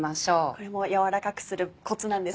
これも軟らかくするコツなんですね。